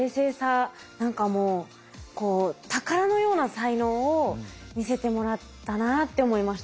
何かもう宝のような才能を見せてもらったなあって思いました。